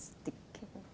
satu adalah untuk diagnostik